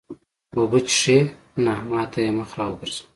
اوبه څښې؟ نه، ما ته یې مخ را وګرځاوه.